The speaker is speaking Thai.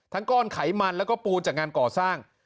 ก้อนไขมันแล้วก็ปูนจากงานก่อสร้าง